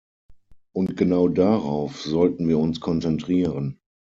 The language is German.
Und genau darauf sollten wir uns konzentrieren.